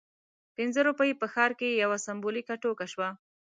پنځه روپۍ په ښار کې یوه سمبولیکه ټوکه شوه.